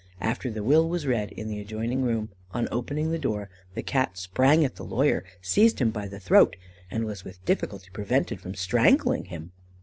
After the will was read, in the adjoining room, on opening the door the Cat sprang at the lawyer, seized him by the throat, and was with difficulty prevented from strangling him.